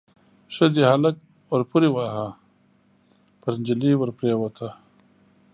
ښځې هلک پوري واهه، پر نجلۍ ور پريوته.